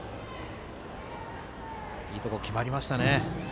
いいとこ決まりましたね。